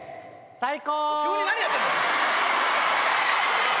最高！